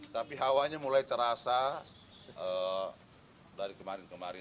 tapi hawanya mulai terasa dari kemarin kemarin